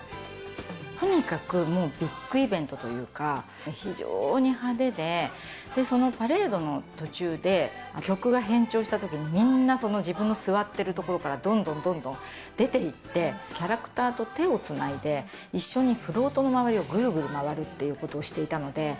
とにかくもうビッグイベントというか、非常に派手で、そのパレードの途中で、曲が変調したときにみんな、自分の座ってる所からどんどんどんどん出ていって、キャラクターと手をつないで、一緒にフロートの周りをぐるぐる回るっていうことをしていたので。